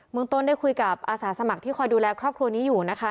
เมืองต้นได้คุยกับอาสาสมัครที่คอยดูแลครอบครัวนี้อยู่นะคะ